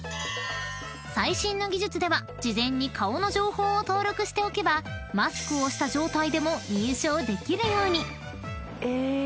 ［最新の技術では事前に顔の情報を登録しておけばマスクをした状態でも認証できるように］